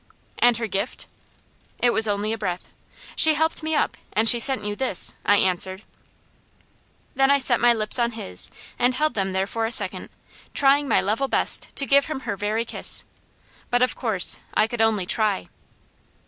"And her gift?" It was only a breath. "She helped me up, and she sent you this," I answered. Then I set my lips on his, and held them there a second, trying my level best to give him her very kiss, but of course I could only try.